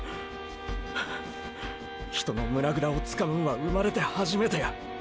人の胸ぐらをつかむんは生まれて初めてや。